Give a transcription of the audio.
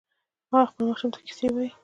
هغه خپل ماشوم ته کیسې وایې